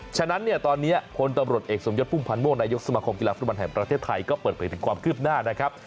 ฉะนั้นเนี่ยตอนนี้พลตำรวจเอกสมยศพุ่มพันธ์ม่วงนายกสมาคมกีฬาฟุตบอลแห่งประเทศไทยก็เปิดเผยถึงความคืบหน้านะครับ